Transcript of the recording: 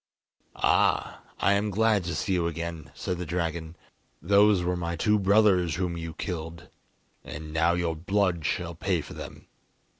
"Ah, I am glad to see you again," said the dragon. "Those were my two brothers whom you killed, and now your blood shall pay for them."